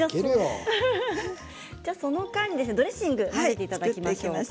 その間にドレッシングを作っていきましょうか。